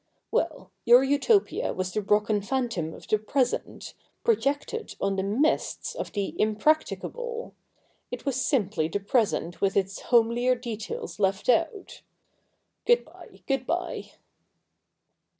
Well — your Utopia was the Brocken phantom of the present, pro jected on the mists of the impracticable. It was simply the present with its homelier details left out. Good bye — good bye.'